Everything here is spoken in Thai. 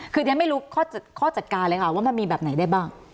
คือเรียนไม่รู้ข้อจัดการเลยค่ะว่ามันมีแบบไหนได้บ้าง